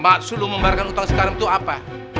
mbak sulung membaharkan utang sekarim itu apa